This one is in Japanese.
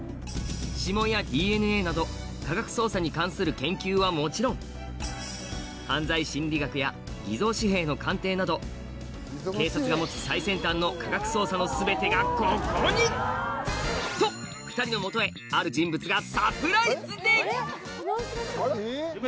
指紋やＤＮＡなど科学捜査に関する研究はもちろん犯罪心理学や偽造紙幣の鑑定など警察が持つ最先端の科学捜査の全てがここに！と２人の元へある人物がサプライズで！